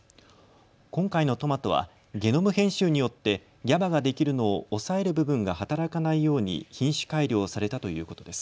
今回のトマトはゲノム編集によってＧＡＢＡができるのを抑える部分が働かないように品種改良されたということです。